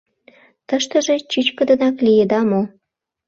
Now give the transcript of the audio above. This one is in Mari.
— Тыштыже чӱчкыдынак лиеда мо?